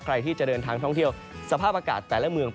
ใครที่จะเดินทางท่องเที่ยวสภาพอากาศแต่ละเมือง